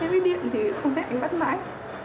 đến với điện thì không thấy anh bắt máy